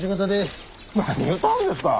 何言うてはるんですか。